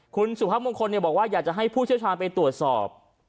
คุณสุภาพมงคลบอกว่าอยากจะให้ผู้เชี่ยวชาญไปตรวจสอบ